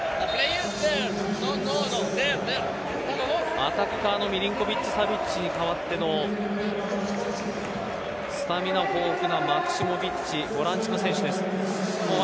アタッカーのミリンコヴィッチ・サヴィッチに代わってのスタミナ豊富なマクシモヴィッチボランチの選手です。